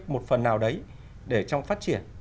một phần nào đấy để trong phát triển